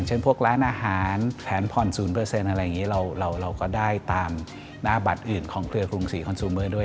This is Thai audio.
พวกร้านอาหารแผนผ่อน๐อะไรอย่างนี้เราก็ได้ตามหน้าบัตรอื่นของเครือกรุงศรีคอนซูเมอร์ด้วย